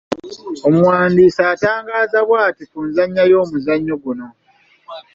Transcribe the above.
Omuwandiisi atangaaza bw’ati ku nzannya y’omuzannyo guno.